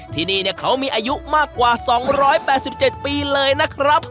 ที่นี่เขามีอายุมากกว่า๒๘๗ปีเลยนะครับ